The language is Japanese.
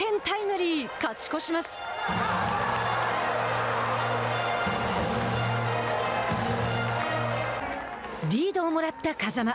リードをもらった風間。